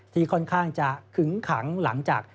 ที่ค่อนข้างจะขึงขังหลังจาก